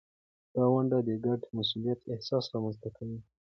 دا ونډه د ګډ مسؤلیت احساس رامینځته کوي.